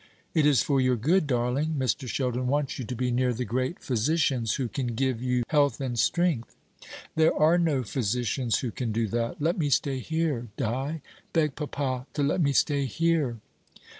"It is for your good, darling. Mr. Sheldon wants you to be near the great physicians, who can give you health and strength." "There are no physicians who can do that. Let me stay here, Di. Beg papa to let me stay here."